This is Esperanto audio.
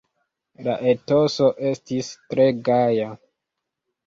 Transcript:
La etoso estis tre gaja.